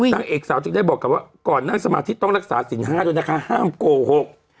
นางเอกสาวจึงได้บอกกับว่าก่อนนั่งสมาธิต้องรักษาสินห้าด้วยนะคะห้ามโกหก